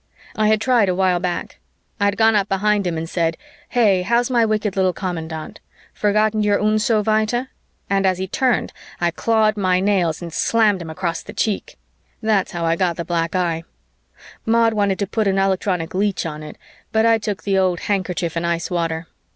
I had tried a while back. I had gone up behind him and said, "Hey, how's my wicked little commandant? Forgotten your und so weiter?" and as he turned, I clawed my nails and slammed him across the cheek. That's how I got the black eye. Maud wanted to put an electronic leech on it, but I took the old handkerchief in ice water.